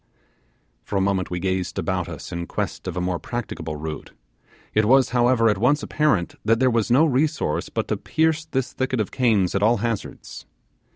For a moment we gazed about us in quest of a more practicable route; it was, however, at once apparent that there was no resource but to pierce this thicket of canes at all hazards.